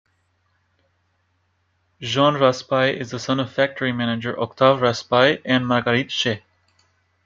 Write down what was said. Jean Raspail is the son of factory manager Octave Raspail and Marguerite Chaix.